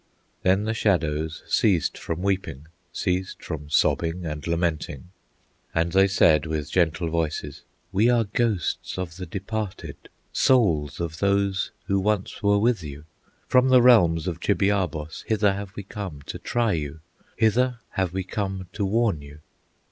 Then the shadows ceased from weeping, Ceased from sobbing and lamenting, And they said, with gentle voices: "We are ghosts of the departed, Souls of those who once were with you. From the realms of Chibiabos Hither have we come to try you, Hither have we come to warn you.